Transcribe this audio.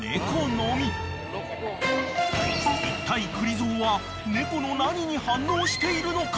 ［いったいくり蔵は猫の何に反応しているのか？］